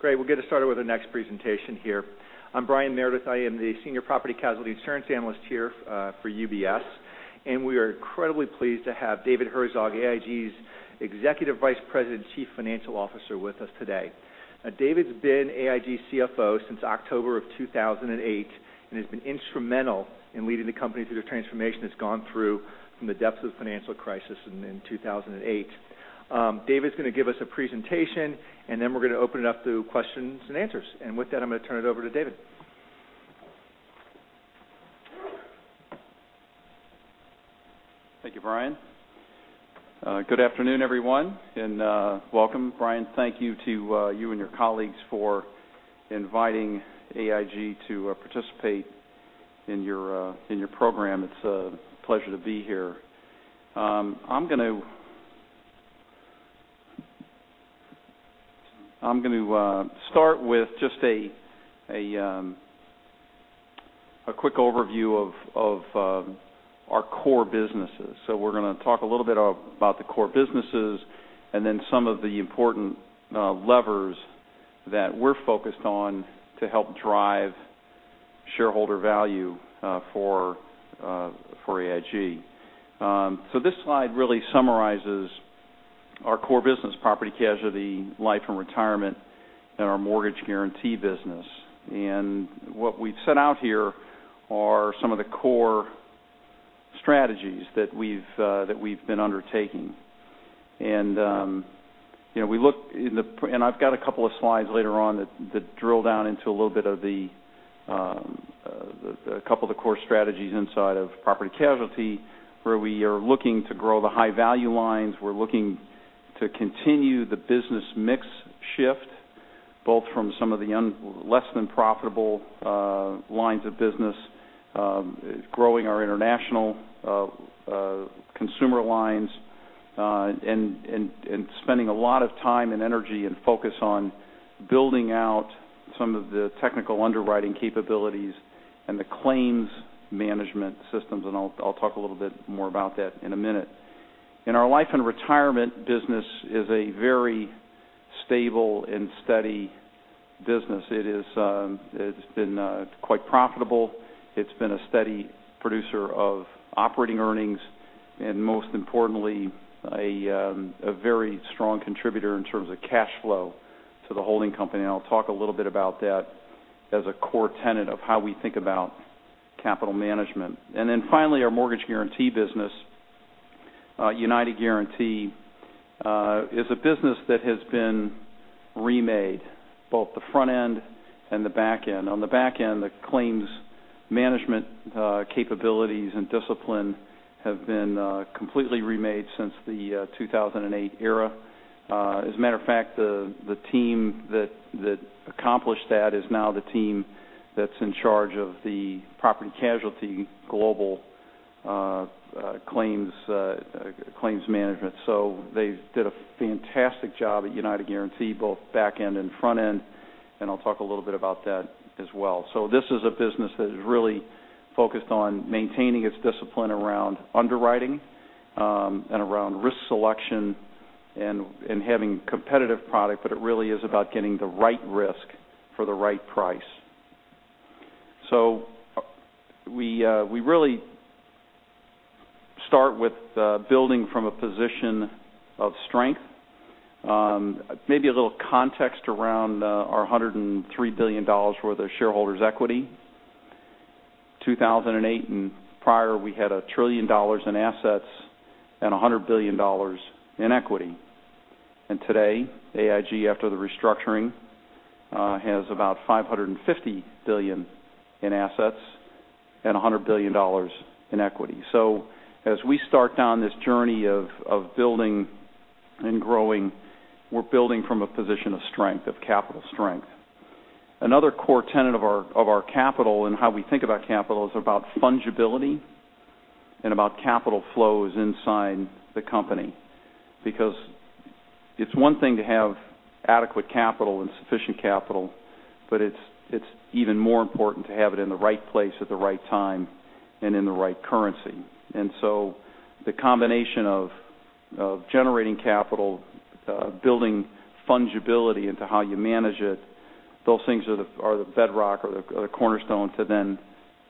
Great. We'll get started with the next presentation here. I'm Brian Meredith. I am the Senior Property Casualty Insurance Analyst here for UBS, and we are incredibly pleased to have David Herzog, AIG's Executive Vice President, Chief Financial Officer, with us today. David's been AIG CFO since October of 2008 and has been instrumental in leading the company through the transformation it's gone through from the depths of the financial crisis in 2008. David's going to give us a presentation, then we're going to open it up to questions and answers. With that, I'm going to turn it over to David. Thank you, Brian. Good afternoon, everyone, welcome. Brian, thank you to you and your colleagues for inviting AIG to participate in your program. It's a pleasure to be here. I'm going to start with just a quick overview of our core businesses. We're going to talk a little bit about the core businesses and then some of the important levers that we're focused on to help drive shareholder value for AIG. This slide really summarizes our core business, property casualty, life and retirement, and our mortgage guarantee business. What we've set out here are some of the core strategies that we've been undertaking. I've got a couple of slides later on that drill down into a couple of the core strategies inside of property casualty, where we are looking to grow the high-value lines. We're looking to continue the business mix shift, both from some of the less than profitable lines of business, growing our international consumer lines, and spending a lot of time and energy and focus on building out some of the technical underwriting capabilities and the claims management systems. I'll talk a little bit more about that in a minute. Our life and retirement business is a very stable and steady business. It's been quite profitable. It's been a steady producer of operating earnings and, most importantly, a very strong contributor in terms of cash flow to the holding company, I'll talk a little bit about that as a core tenet of how we think about capital management. Finally, our mortgage guarantee business, United Guaranty, is a business that has been remade, both the front end and the back end. On the back end, the claims management capabilities and discipline have been completely remade since the 2008 era. As a matter of fact, the team that accomplished that is now the team that's in charge of the property casualty global claims management. They did a fantastic job at United Guaranty, both back end and front end, and I'll talk a little bit about that as well. This is a business that is really focused on maintaining its discipline around underwriting and around risk selection and having competitive product, but it really is about getting the right risk for the right price. We really start with building from a position of strength. Maybe a little context around our $103 billion worth of shareholders' equity. 2008 and prior, we had $1 trillion in assets and $100 billion in equity. Today, AIG, after the restructuring, has about $550 billion in assets and $100 billion in equity. As we start down this journey of building and growing, we're building from a position of strength, of capital strength. Another core tenet of our capital and how we think about capital is about fungibility and about capital flows inside the company. It's one thing to have adequate capital and sufficient capital, but it's even more important to have it in the right place at the right time and in the right currency. The combination of generating capital, building fungibility into how you manage it, those things are the bedrock or the cornerstone to then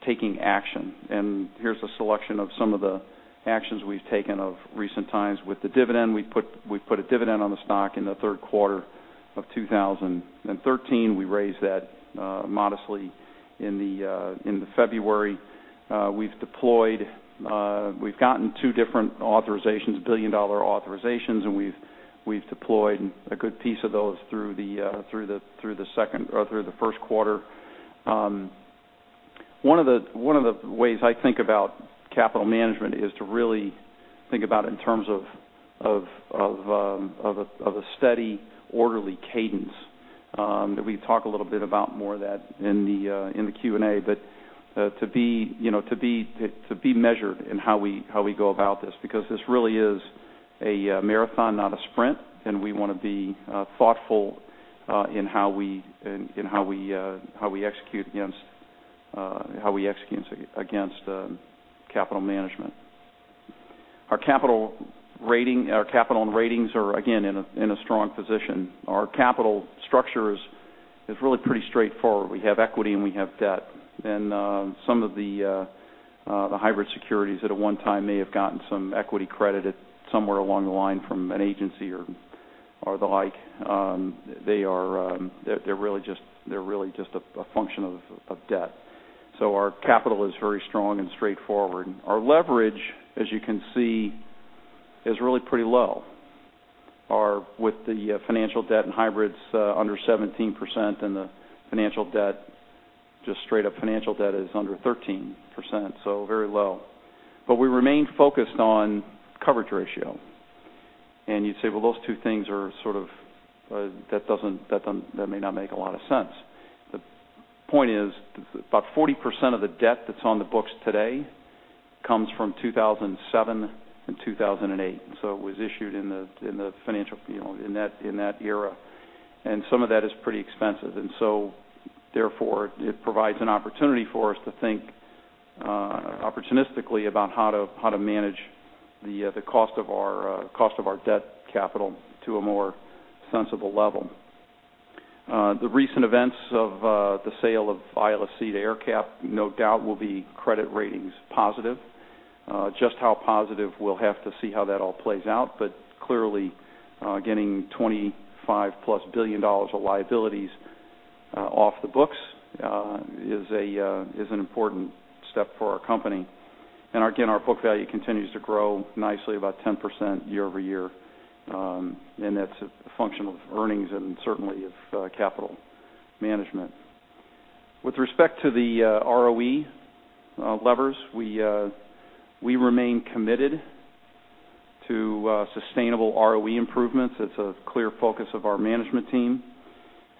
taking action. Here's a selection of some of the actions we've taken of recent times with the dividend. We put a dividend on the stock in the third quarter of 2013. We raised that modestly in February. We've gotten two different authorizations, billion-dollar authorizations, and we've deployed a good piece of those through the first quarter. One of the ways I think about capital management is to really think about it in terms of a steady, orderly cadence that we talk a little bit about more that in the Q&A, but to be measured in how we go about this, because this really is a marathon, not a sprint, and we want to be thoughtful in how we execute against capital management. Our capital and ratings are, again, in a strong position. Our capital structure is really pretty straightforward. We have equity and we have debt. Some of the hybrid securities that at one time may have gotten some equity credit somewhere along the line from an agency or the like, they're really just a function of debt. Our capital is very strong and straightforward. Our leverage, as you can see, is really pretty low. With the financial debt and hybrids under 17% and the financial debt, just straight up financial debt is under 13%, so very low. We remain focused on coverage ratio. You'd say, well, those two things may not make a lot of sense. The point is, about 40% of the debt that's on the books today comes from 2007 and 2008. It was issued in that era, and some of that is pretty expensive. Therefore, it provides an opportunity for us to think opportunistically about how to manage the cost of our debt capital to a more sensible level. The recent events of the sale of ILFC to AerCap, no doubt will be credit ratings positive. Just how positive, we'll have to see how that all plays out. Clearly, getting $25-plus billion of liabilities off the books is an important step for our company. Again, our book value continues to grow nicely, about 10% year-over-year. That's a function of earnings and certainly of capital management. With respect to the ROE levers, we remain committed to sustainable ROE improvements. It's a clear focus of our management team,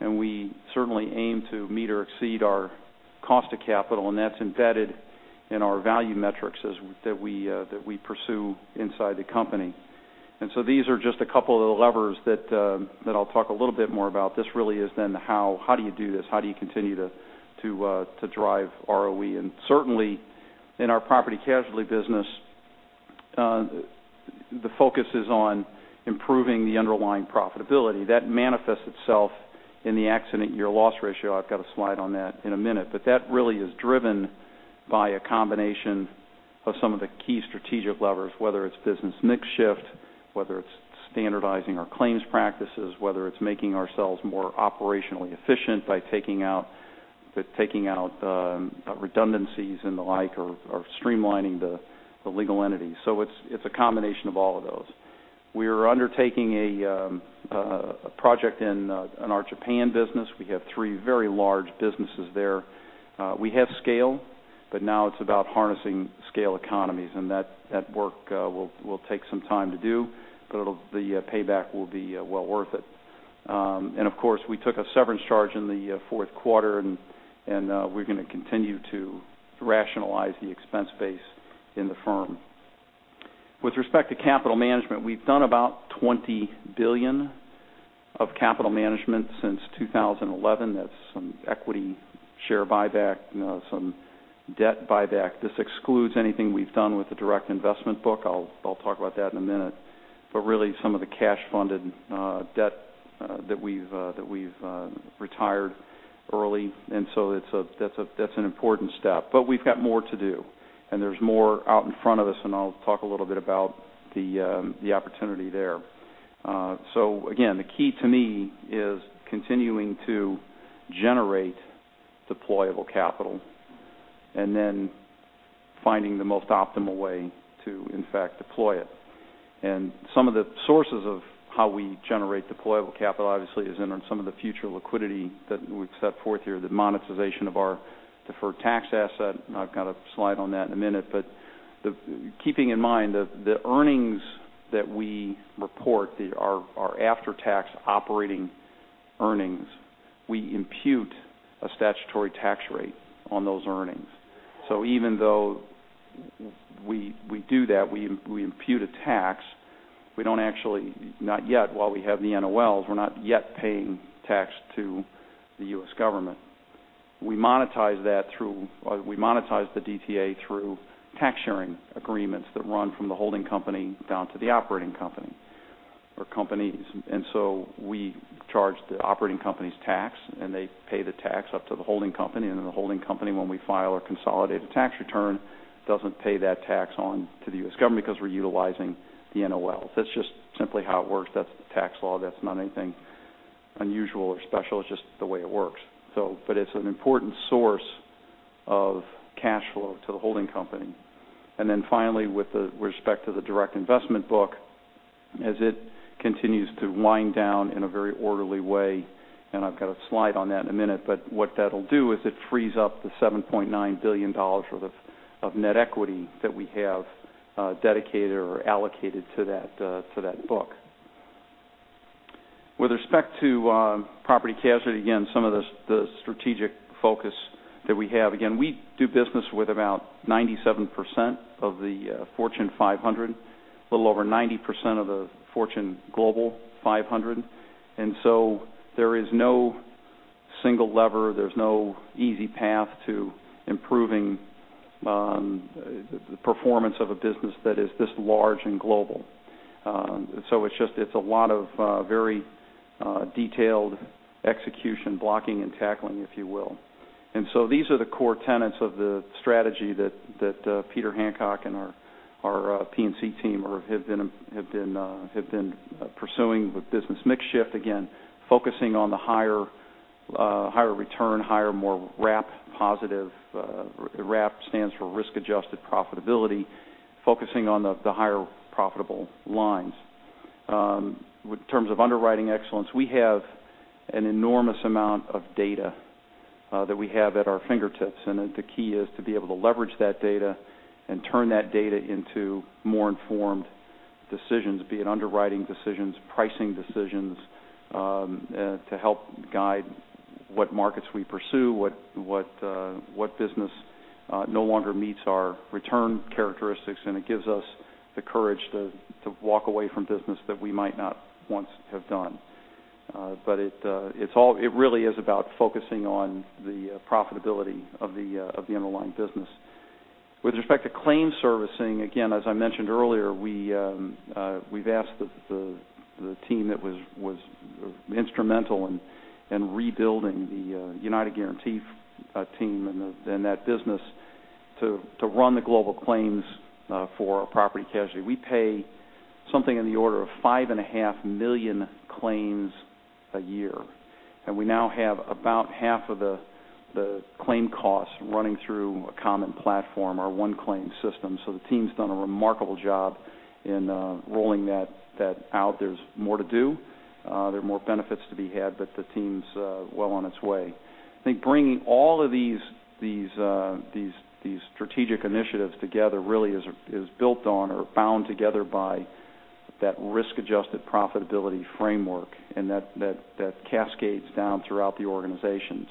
and we certainly aim to meet or exceed our cost of capital, and that's embedded in our value metrics that we pursue inside the company. These are just a couple of the levers that I'll talk a little bit more about. This really is then the how do you do this? How do you continue to drive ROE? Certainly in our property casualty business, the focus is on improving the underlying profitability. That manifests itself in the accident year loss ratio. I've got a slide on that in a minute, that really is driven by a combination of some of the key strategic levers, whether it's business mix shift, whether it's standardizing our claims practices, whether it's making ourselves more operationally efficient by taking out redundancies and the like, or streamlining the legal entities. It's a combination of all of those. We are undertaking a project in our Japan business. We have three very large businesses there. We have scale, but now it's about harnessing scale economies, that work will take some time to do, but the payback will be well worth it. Of course, we took a severance charge in the fourth quarter, and we're going to continue to rationalize the expense base in the firm. With respect to capital management, we've done about $20 billion of capital management since 2011. That's some equity share buyback, some debt buyback. This excludes anything we've done with the direct investment book. I'll talk about that in a minute, really some of the cash-funded debt that we've retired early. That's an important step. We've got more to do, there's more out in front of us, I'll talk a little bit about the opportunity there. Again, the key to me is continuing to generate deployable capital and then finding the most optimal way to in fact deploy it. Some of the sources of how we generate deployable capital obviously is in some of the future liquidity that we've set forth here, the monetization of our deferred tax asset, and I've got a slide on that in a minute. Keeping in mind, the earnings that we report, our after-tax operating earnings, we impute a statutory tax rate on those earnings. Even though we do that, we impute a tax, we don't actually, not yet, while we have the NOLs, we're not yet paying tax to the U.S. government. We monetize the DTA through tax sharing agreements that run from the holding company down to the operating company or companies. We charge the operating companies tax, they pay the tax up to the holding company, then the holding company, when we file a consolidated tax return, doesn't pay that tax on to the U.S. government because we're utilizing the NOL. That's just simply how it works. That's the tax law. That's not anything unusual or special. It's just the way it works. It's an important source of cash flow to the holding company. Finally, with respect to the direct investment book, as it continues to wind down in a very orderly way, I've got a slide on that in a minute, what that'll do is it frees up the $7.9 billion worth of net equity that we have dedicated or allocated to that book. With respect to property casualty, again, some of the strategic focus that we have. Again, we do business with about 97% of the Fortune 500, a little over 90% of the Fortune Global 500. There is no single lever, there's no easy path to improving the performance of a business that is this large and global. It's a lot of very detailed execution, blocking and tackling, if you will. these are the core tenets of the strategy that Peter Hancock and our P&C team have been pursuing with business mix shift, again, focusing on the higher return, more RAP positive. RAP stands for risk-adjusted profitability, focusing on the higher profitable lines. In terms of underwriting excellence, we have an enormous amount of data that we have at our fingertips, and the key is to be able to leverage that data and turn that data into more informed decisions, be it underwriting decisions, pricing decisions, to help guide what markets we pursue, what business no longer meets our return characteristics. It gives us the courage to walk away from business that we might not once have done. It really is about focusing on the profitability of the underlying business. With respect to claim servicing, again, as I mentioned earlier, we've asked the team that was instrumental in rebuilding the United Guaranty team and that business to run the global claims for our property casualty. We pay something in the order of five and a half million claims a year, and we now have about half of the claim costs running through a common platform, our OneClaim system. The team's done a remarkable job in rolling that out. There's more to do. There are more benefits to be had, the team's well on its way. I think bringing all of these strategic initiatives together really is built on or bound together by that risk-adjusted profitability framework and that cascades down throughout the organization.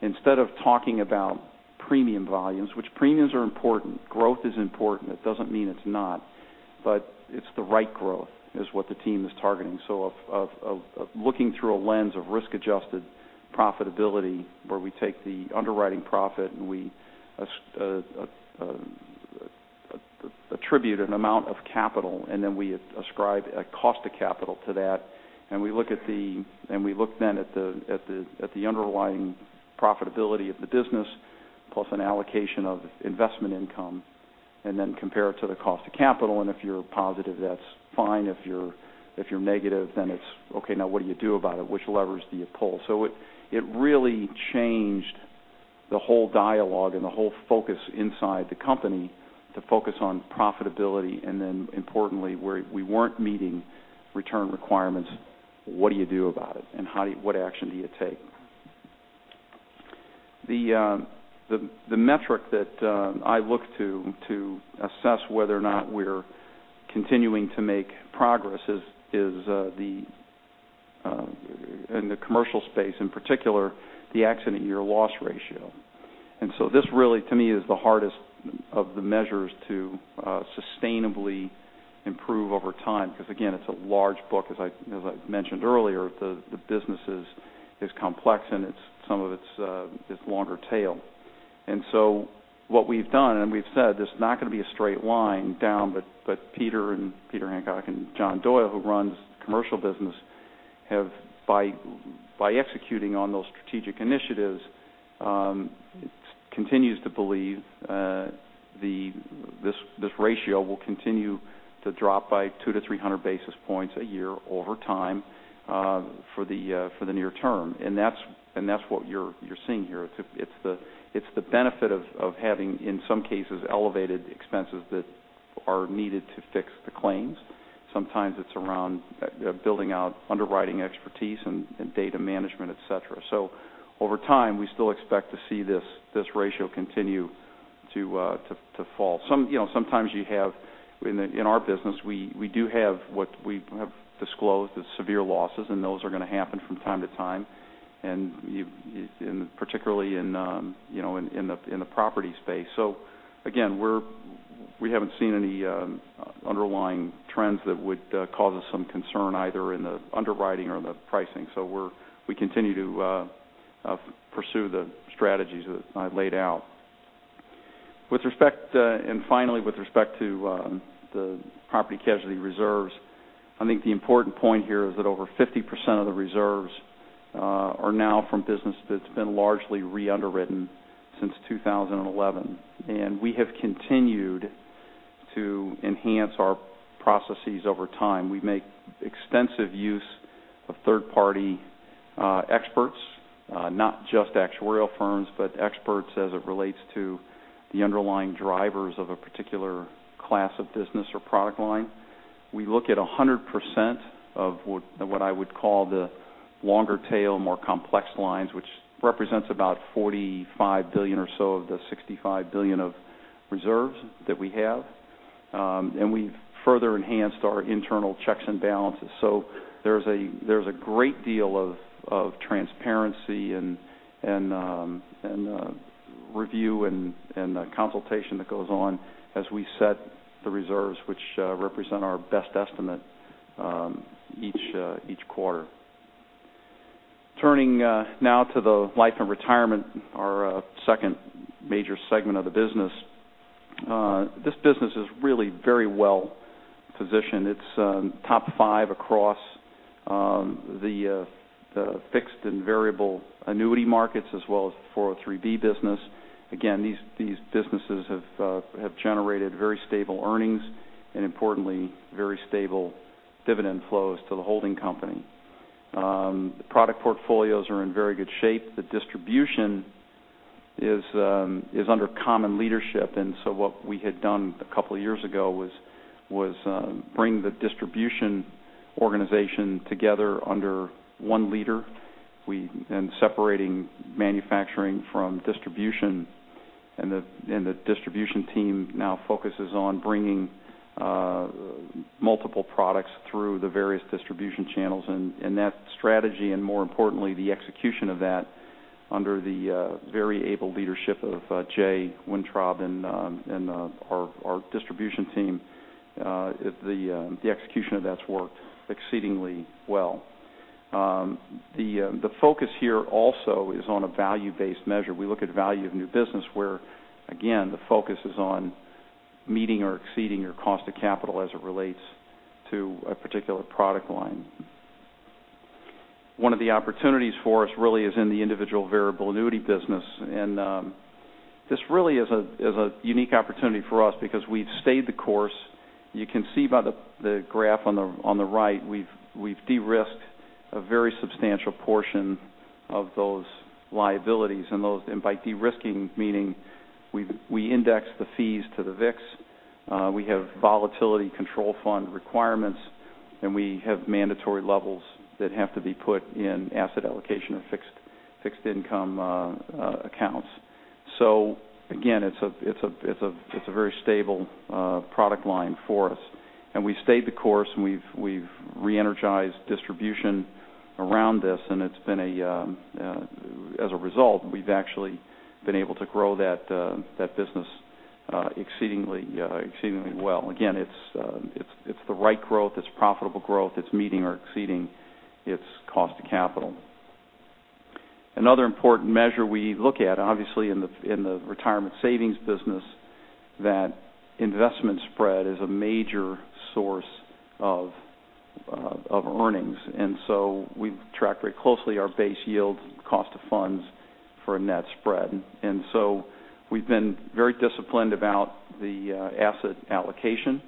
Instead of talking about premium volumes, which premiums are important, growth is important, it doesn't mean it's not, it's the right growth is what the team is targeting. Of looking through a lens of risk-adjusted profitability, where we take the underwriting profit and we attribute an amount of capital, and then we ascribe a cost of capital to that. We look then at the underlying profitability of the business, plus an allocation of investment income, and then compare it to the cost of capital. If you're positive, that's fine. If you're negative, it's okay, now what do you do about it? Which levers do you pull? It really changed the whole dialogue and the whole focus inside the company to focus on profitability. Importantly, where we weren't meeting return requirements, what do you do about it, and what action do you take? The metric that I look to assess whether or not we're continuing to make progress is in the commercial space, in particular, the accident year loss ratio. This really, to me, is the hardest of the measures to sustainably improve over time because again, it's a large book. As I mentioned earlier, the business is complex, and some of it is longer tail. What we've done, and we've said, this is not going to be a straight line down, Peter Hancock and John Doyle, who runs the commercial business, have by executing on those strategic initiatives, continues to believe this ratio will continue to drop by 200 to 300 basis points a year over time for the near term. That's what you're seeing here. It's the benefit of having, in some cases, elevated expenses that are needed to fix the claims. Sometimes it's around building out underwriting expertise and data management, et cetera. Over time, we still expect to see this ratio continue to fall. Sometimes in our business, we do have what we have disclosed as severe losses, and those are going to happen from time to time, and particularly in the property space. Again, we haven't seen any underlying trends that would cause us some concern either in the underwriting or the pricing. We continue to pursue the strategies that I've laid out. Finally, with respect to the property casualty reserves, I think the important point here is that over 50% of the reserves are now from business that's been largely re-underwritten since 2011. We have continued to enhance our processes over time. We make extensive use of third-party experts, not just actuarial firms, but experts as it relates to the underlying drivers of a particular class of business or product line. We look at 100% of what I would call the longer tail, more complex lines, which represents about $45 billion or so of the $65 billion of reserves that we have. We've further enhanced our internal checks and balances. There's a great deal of transparency and review and the consultation that goes on as we set the reserves, which represent our best estimate each quarter. Turning now to the Life and Retirement, our second major segment of the business. This business is really very well positioned. It's top five across the fixed and variable annuity markets as well as the 403(b) business. Again, these businesses have generated very stable earnings and, importantly, very stable dividend flows to the holding company. The product portfolios are in very good shape. The distribution is under common leadership. What we had done a couple of years ago was bring the distribution organization together under one leader, separating manufacturing from distribution. The distribution team now focuses on bringing multiple products through the various distribution channels. That strategy, and more importantly, the execution of that under the very able leadership of Jay Wintrob and our distribution team, the execution of that's worked exceedingly well. The focus here also is on a value-based measure. We look at value of new business where, again, the focus is on meeting or exceeding your cost of capital as it relates to a particular product line. One of the opportunities for us really is in the individual variable annuity business. This really is a unique opportunity for us because we've stayed the course. You can see by the graph on the right, we've de-risked a very substantial portion of those liabilities. By de-risking, meaning we index the fees to the VIX. We have volatility control fund requirements, and we have mandatory levels that have to be put in asset allocation or fixed income accounts. Again, it's a very stable product line for us. We've stayed the course, and we've re-energized distribution around this, and as a result, we've actually been able to grow that business exceedingly well. Again, it's the right growth. It's profitable growth. It's meeting or exceeding its cost of capital. Another important measure we look at, obviously in the retirement savings business, that investment spread is a major source of earnings. We track very closely our base yield cost of funds for a net spread. We've been very disciplined about the asset allocation,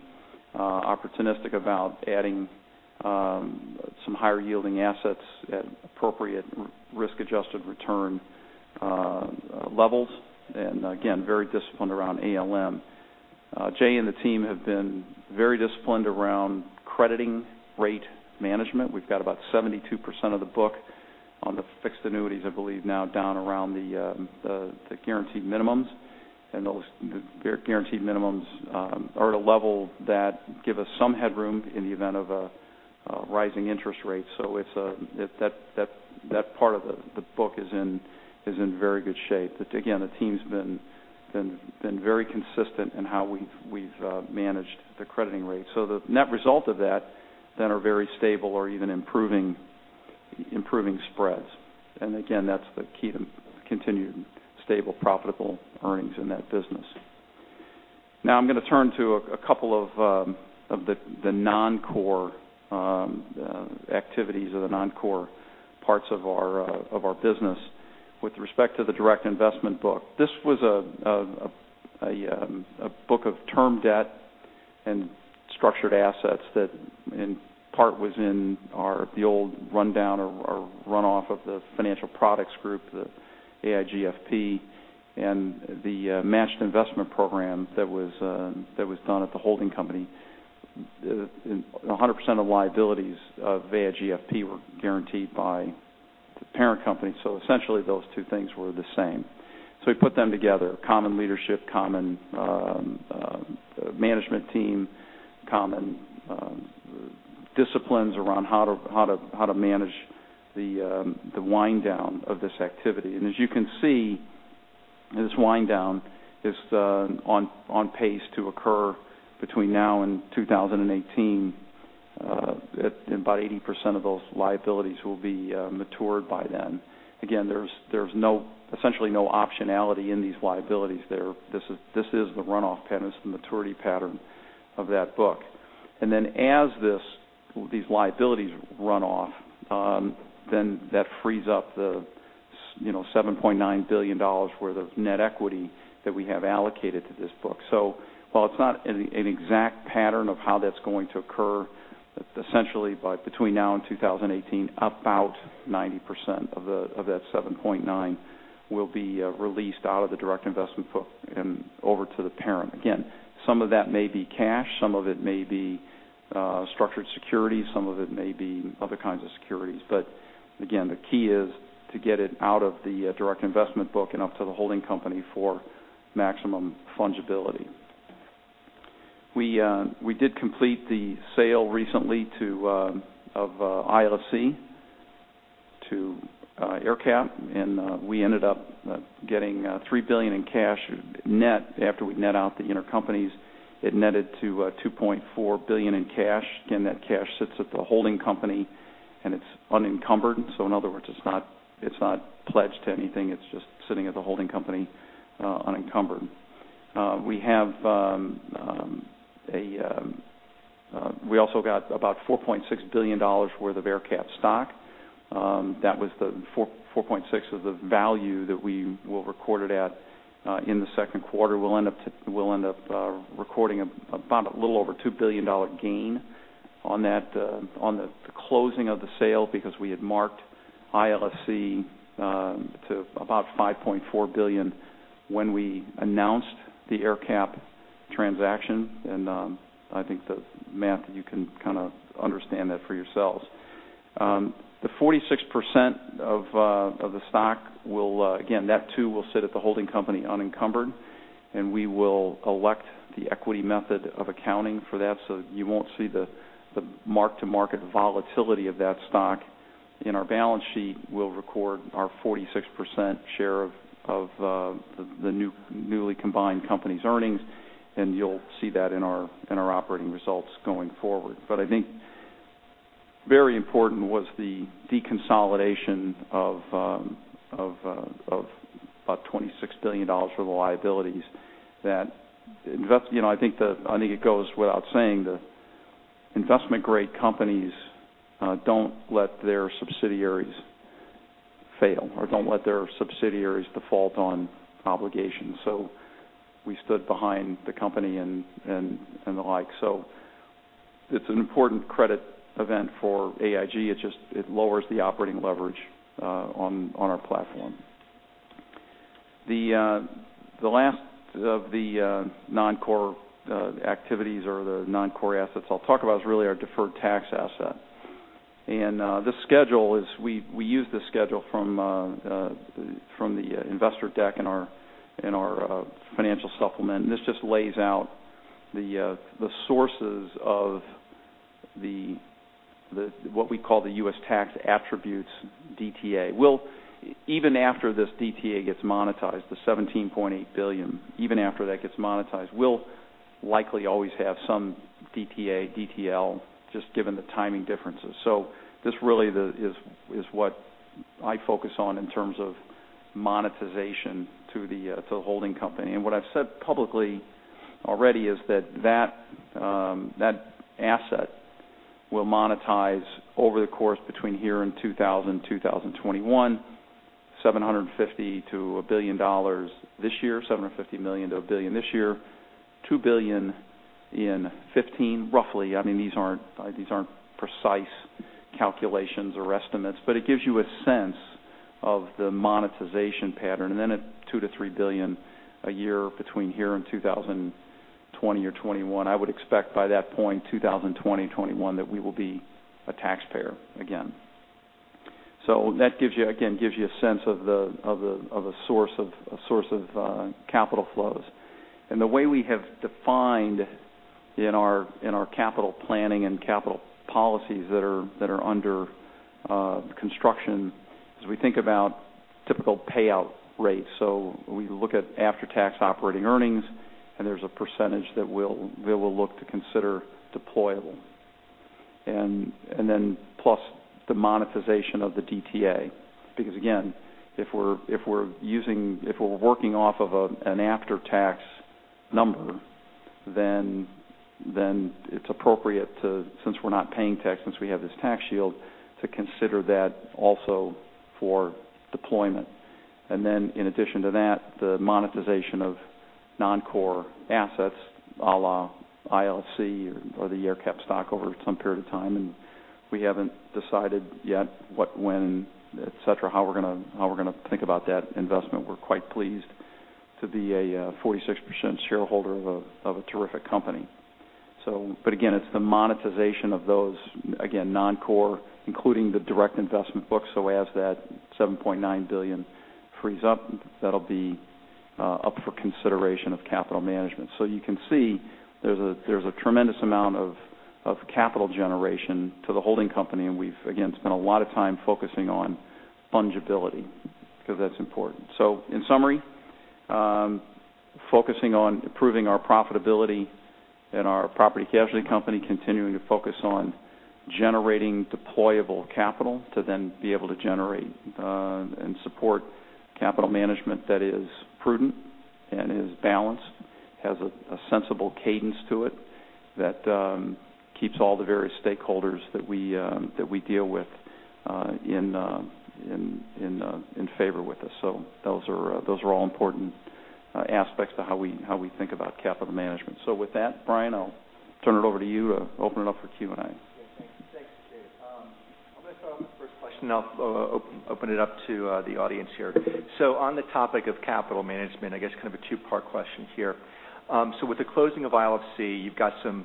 opportunistic about adding some higher-yielding assets at appropriate risk-adjusted return levels, again, very disciplined around ALM. Jay and the team have been very disciplined around crediting rate management. We've got about 72% of the book on the fixed annuities, I believe, now down around the guaranteed minimums. Those guaranteed minimums are at a level that give us some headroom in the event of a rising interest rate. That part of the book is in very good shape. Again, the team's been very consistent in how we've managed the crediting rate. The net result of that then are very stable or even improving spreads. Again, that's the key to continued stable, profitable earnings in that business. Now I'm going to turn to a couple of the non-core activities or the non-core parts of our business. With respect to the direct investment book, this was a book of term debt and structured assets that in part was in the old rundown or runoff of the financial products group, the AIG FP, and the managed investment program that was done at the holding company. 100% of liabilities of AIG FP were guaranteed by the parent company. Essentially, those two things were the same. We put them together, common leadership, common management team, common disciplines around how to manage the wind down of this activity. As you can see, this wind down is on pace to occur between now and 2018. About 80% of those liabilities will be matured by then. Again, there's essentially no optionality in these liabilities there. This is the runoff pattern. This is the maturity pattern of that book. Then as these liabilities run off, then that frees up the $7.9 billion worth of net equity that we have allocated to this book. While it's not an exact pattern of how that's going to occur, essentially between now and 2018, about 90% of that $7.9 will be released out of the direct investment book and over to the parent. Again, some of that may be cash, some of it may be structured securities, some of it may be other kinds of securities. Again, the key is to get it out of the direct investment book and up to the holding company for maximum fungibility. We did complete the sale recently of ILFC to AerCap, and we ended up getting $3 billion in cash net. After we net out the intercompanies, it netted to $2.4 billion in cash. Again, that cash sits at the holding company and it's unencumbered. In other words, it's not pledged to anything. It's just sitting at the holding company unencumbered. We also got about $4.6 billion worth of AerCap stock. That was the $4.6 of the value that we will record it at in the second quarter. We'll end up recording about a little over $2 billion gain on the closing of the sale because we had marked ILFC to about $5.4 billion when we announced the AerCap transaction, and I think the math, you can kind of understand that for yourselves. The 46% of the stock will, again, that too, will sit at the holding company unencumbered, and we will elect the equity method of accounting for that so that you won't see the mark-to-market volatility of that stock in our balance sheet. We'll record our 46% share of the newly combined company's earnings, and you'll see that in our operating results going forward. I think very important was the deconsolidation of about $26 billion worth of liabilities that I think it goes without saying that investment-grade companies don't let their subsidiaries fail or don't let their subsidiaries default on obligations. We stood behind the company and the like. It's an important credit event for AIG. It lowers the operating leverage on our platform. The last of the non-core activities or the non-core assets I'll talk about is really our deferred tax asset. This schedule is, we use this schedule from the investor deck in our financial supplement, and this just lays out the sources of what we call the U.S. tax attributes, DTA. Even after this DTA gets monetized, the $17.8 billion, even after that gets monetized, we'll likely always have some DTA, DTL, just given the timing differences. This really is what I focus on in terms of monetization to the holding company. What I've said publicly already is that asset will monetize over the course between here and 2021, $750 million to $1 billion this year, $750 million to $1 billion this year, $2 billion in 2015, roughly. These aren't precise calculations or estimates, but it gives you a sense of the monetization pattern. At $2 billion to $3 billion a year between here and 2020 or 2021. I would expect by that point, 2020-2021, that we will be a taxpayer again. That gives you, again, gives you a sense of a source of capital flows. The way we have defined in our capital planning and capital policies that are under construction, as we think about typical payout rates. We look at after-tax operating earnings, and there's a percentage that we'll look to consider deployable. And then plus the monetization of the DTA. Again, if we're working off of an after-tax number, then it's appropriate to, since we're not paying tax, since we have this tax shield, to consider that also for deployment. In addition to that, the monetization of non-core assets a la ILFC or the AerCap stock over some period of time, and we haven't decided yet what, when, et cetera, how we're going to think about that investment. We're quite pleased to be a 46% shareholder of a terrific company. Again, it's the monetization of those, again, non-core, including the direct investment book. As that $7.9 billion frees up, that'll be up for consideration of capital management. You can see there's a tremendous amount of capital generation to the holding company, and we've, again, spent a lot of time focusing on fungibility because that's important. In summary, focusing on improving our profitability in our property casualty company, continuing to focus on generating deployable capital to then be able to generate and support capital management that is prudent and is balanced, has a sensible cadence to it that keeps all the various stakeholders that we deal with in favor with us. Those are all important aspects to how we think about capital management. With that, Brian, I'll turn it over to you. Open it up for Q&A. Yeah, thanks, Dave. I'm going to start off with the first question. I'll open it up to the audience here. On the topic of capital management, I guess kind of a two-part question here. With the closing of ILFC, you've got some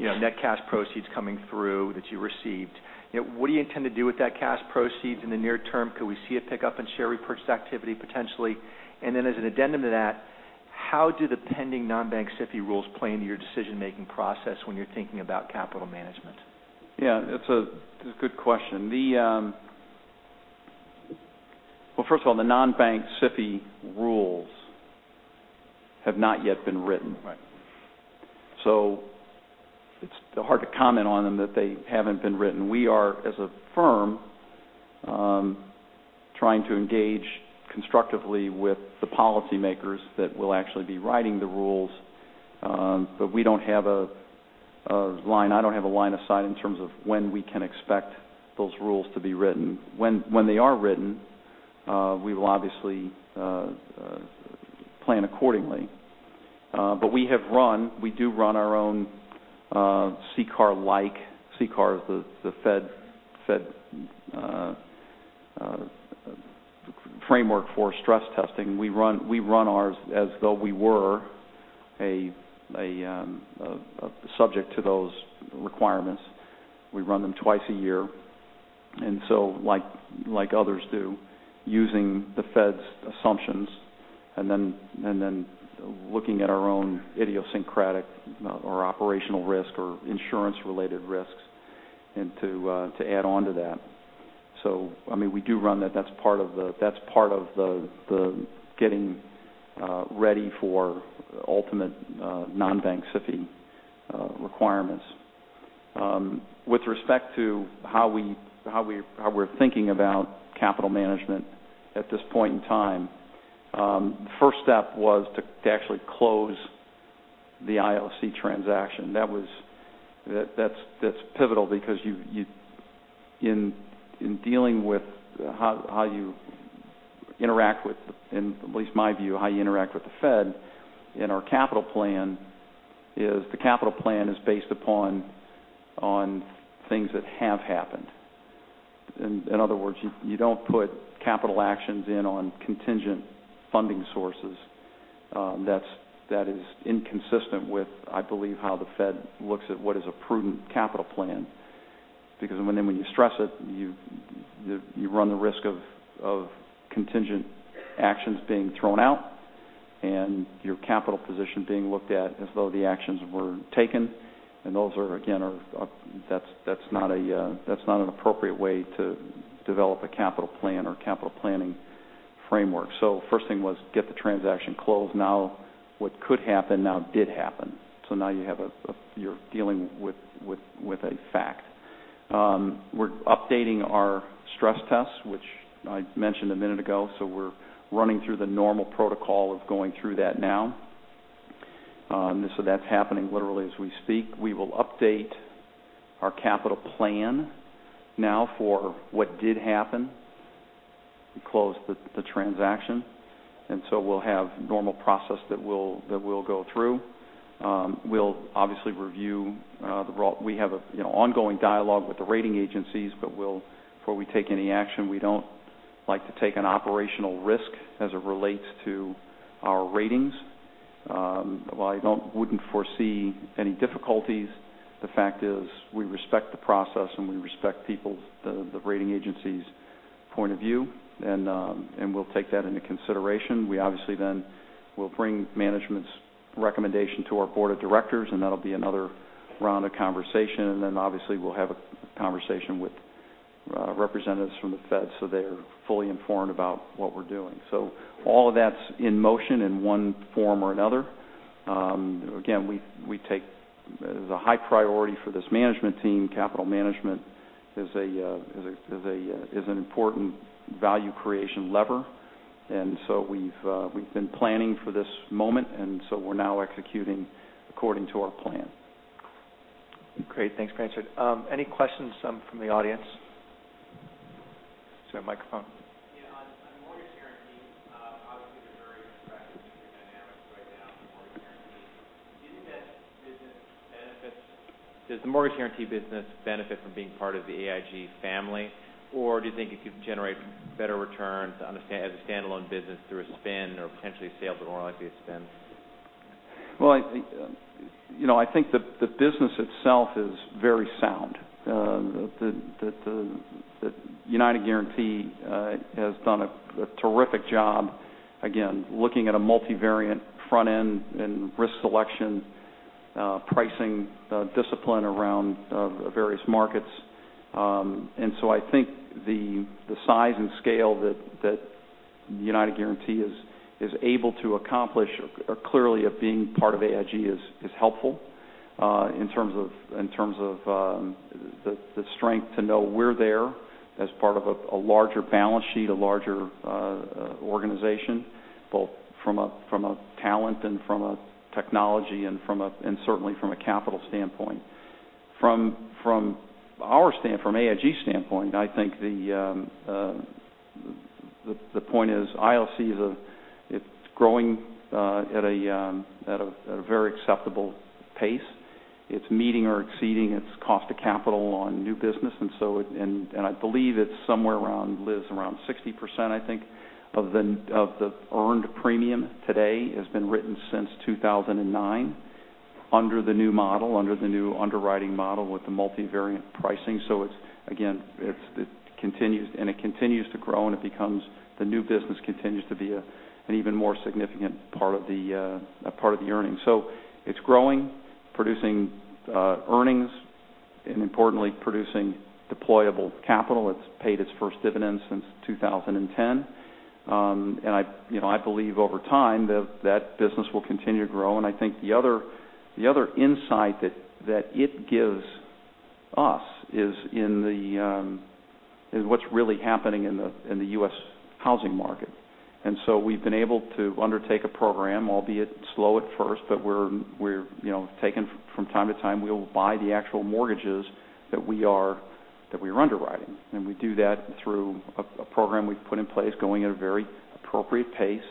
net cash proceeds coming through that you received. What do you intend to do with that cash proceeds in the near term? Could we see a pickup in share repurchase activity potentially? And then as an addendum to that, how do the pending non-bank SIFI rules play into your decision-making process when you're thinking about capital management? Yeah, that's a good question. First of all, the non-bank SIFI rules have not yet been written. Right. It's hard to comment on them that they haven't been written. We are, as a firm, trying to engage constructively with the policymakers that will actually be writing the rules. We don't have a line. I don't have a line of sight in terms of when we can expect those rules to be written. When they are written, we will obviously plan accordingly. But we do run our own CCAR-like. CCAR is the Fed framework for stress testing. We run ours as though we were subject to those requirements. We run them twice a year. Like others do, using the Fed's assumptions and then looking at our own idiosyncratic or operational risk or insurance related risks and to add on to that. We do run that. That's part of the getting ready for ultimate non-bank SIFI requirements. With respect to how we're thinking about capital management at this point in time. First step was to actually close the ILFC transaction. That's pivotal because in dealing with how you interact with, in at least my view, how you interact with the Fed and our capital plan is the capital plan is based upon things that have happened. In other words, you don't put capital actions in on contingent funding sources. That is inconsistent with, I believe, how the Fed looks at what is a prudent capital plan. Because then when you stress it, you run the risk of contingent actions being thrown out and your capital position being looked at as though the actions were taken, and that's not an appropriate way to develop a capital plan or capital planning framework. The first thing was get the transaction closed. What could happen now did happen. Now you're dealing with a fact. We're updating our stress tests, which I mentioned a minute ago. We're running through the normal protocol of going through that now. That's happening literally as we speak. We will update our capital plan now for what did happen. We closed the transaction, we'll have normal process that we'll go through. We have an ongoing dialogue with the rating agencies, before we take any action, we don't like to take an operational risk as it relates to our ratings. While I wouldn't foresee any difficulties, the fact is we respect the process and we respect the rating agencies' point of view, and we'll take that into consideration. We obviously then will bring management's recommendation to our board of directors, that'll be another round of conversation. Obviously we'll have a conversation with representatives from the Fed so they're fully informed about what we're doing. All of that's in motion in one form or another. Again, we take the high priority for this management team. Capital management is an important value creation lever. We've been planning for this moment, we're now executing according to our plan. Great. Thanks for the answer. Any questions from the audience? Is there a microphone? Yeah. On mortgage guarantees, obviously they're very attractive to your dynamics right now for mortgage guarantees. Does the mortgage guarantee business benefit from being part of the AIG family? Do you think it could generate better returns as a standalone business through a spin or potentially a sale, but more likely a spin? Well, I think the business itself is very sound. United Guaranty has done a terrific job, again, looking at a multivariate front end and risk selection pricing discipline around various markets. I think the size and scale that United Guaranty is able to accomplish clearly of being part of AIG is helpful in terms of the strength to know we're there as part of a larger balance sheet, a larger organization, both from a talent and from a technology and certainly from a capital standpoint. From AIG's standpoint, I think the point is ILC is growing at a very acceptable pace. It's meeting or exceeding its cost of capital on new business. I believe it's somewhere around, Liz, around 60%, I think, of the earned premium today has been written since 2009. Under the new model, under the new underwriting model with the multivariate pricing. Again, it continues to grow, and the new business continues to be an even more significant part of the earnings. It's growing, producing earnings, and importantly, producing deployable capital. It's paid its first dividend since 2010. I believe over time, that business will continue to grow. I think the other insight that it gives us is what's really happening in the U.S. housing market. We've been able to undertake a program, albeit slow at first, but we're taking from time to time, we'll buy the actual mortgages that we are underwriting. We do that through a program we've put in place, going at a very appropriate pace,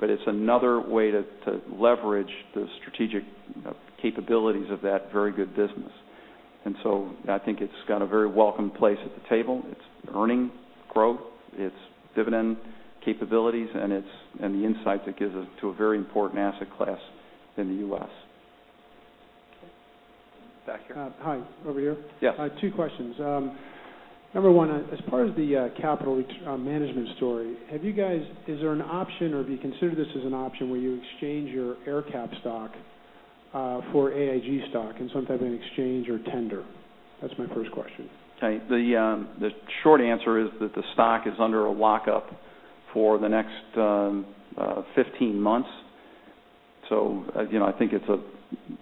but it's another way to leverage the strategic capabilities of that very good business. I think it's got a very welcome place at the table. It's earning growth, it's dividend capabilities, and the insight that gives us to a very important asset class in the U.S. Okay. Back here. Hi. Over here. Yes. Two questions. Number one, as part of the capital management story, have you is there an option, or have you considered this as an option, where you exchange your AerCap stock for AIG stock in some type of an exchange or tender? That's my first question. Okay. The short answer is that the stock is under a lockup for the next 15 months. I think it's a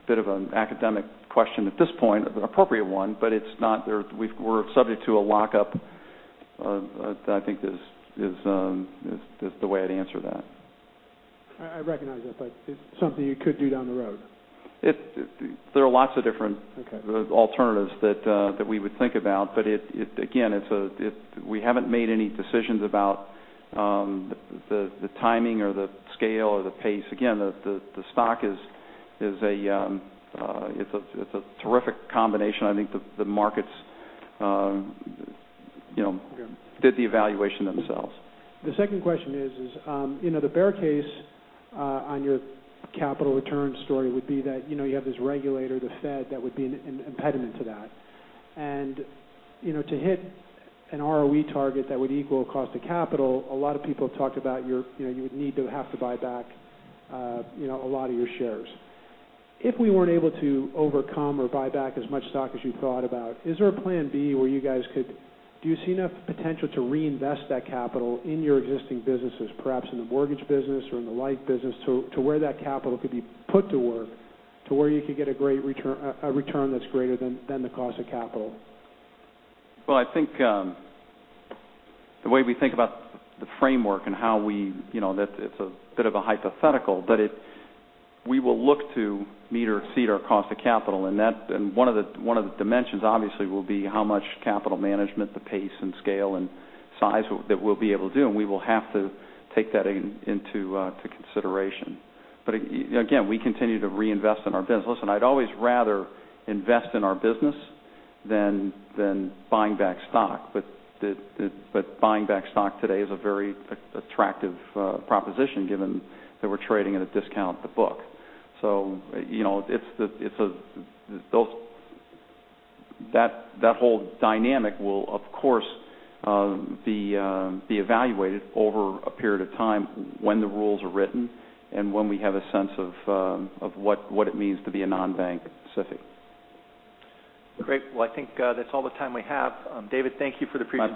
bit of an academic question at this point, but an appropriate one, but we're subject to a lockup, I think is the way I'd answer that. I recognize that, it's something you could do down the road. There are lots of Okay alternatives that we would think about. Again, we haven't made any decisions about the timing or the scale or the pace. Again, the stock is a terrific combination. I think the markets did the evaluation themselves. The second question is, the bear case on your capital returns story would be that you have this regulator, the Fed, that would be an impediment to that. To hit an ROE target that would equal cost of capital, a lot of people talked about you would need to have to buy back a lot of your shares. If we weren't able to overcome or buy back as much stock as you thought about, is there a plan B where you guys do you see enough potential to reinvest that capital in your existing businesses, perhaps in the mortgage business or in the life business, to where that capital could be put to work, to where you could get a return that's greater than the cost of capital? Well, I think the way we think about the framework and how we that it's a bit of a hypothetical, we will look to meet or exceed our cost of capital. One of the dimensions obviously will be how much capital management, the pace and scale and size that we'll be able to do. We will have to take that into consideration. Again, we continue to reinvest in our business. Listen, I'd always rather invest in our business than buying back stock. Buying back stock today is a very attractive proposition, given that we're trading at a discount to book. That whole dynamic will of course be evaluated over a period of time when the rules are written and when we have a sense of what it means to be a non-bank SIFI. Great. Well, I think that's all the time we have. David, thank you for the presentation.